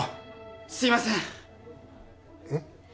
すいませんえっ？